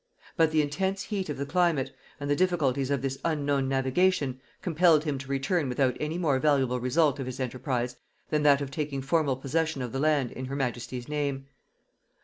But the intense heat of the climate, and the difficulties of this unknown navigation, compelled him to return without any more valuable result of his enterprise than that of taking formal possession of the land in her majesty's name.